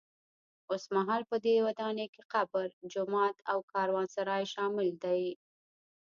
اوسمهال په دې ودانۍ کې قبر، جومات او کاروانسرای شامل دي.